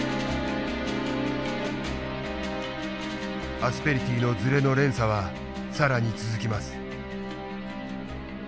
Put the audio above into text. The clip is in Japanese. アスペリティーのずれの連鎖は更に続きます。